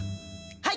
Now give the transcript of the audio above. はい！